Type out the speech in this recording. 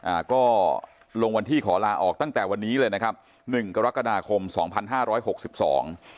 อ่าก็ลงวันที่ขอลาออกตั้งแต่วันนี้เลยนะครับหนึ่งกรกฎาคมสองพันห้าร้อยหกสิบสอง